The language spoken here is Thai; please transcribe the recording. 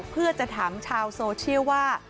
เพื่อจะถามชาวโซเชียลว่า